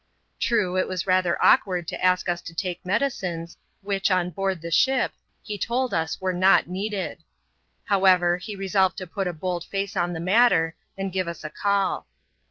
True, it was rather awkward to ask us to take medicines, which, on board the ship, he told us were not needed. However, he resolved to put a bold face on the matter, and give us a call.